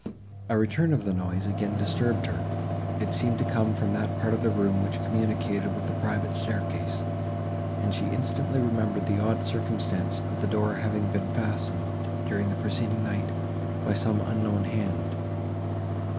A return of the noise again disturbed her; it seemed to come from that part of the room, which communicated with the private staircase, and she instantly remembered the odd circumstance of the door having been fastened, during the preceding night, by some unknown hand.